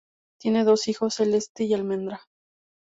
Tiene dos hijos: Celeste y Almendra.